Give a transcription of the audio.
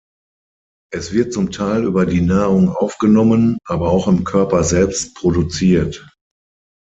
Es wird zum Teil über die Nahrung aufgenommen, aber auch im Körper selbst produziert.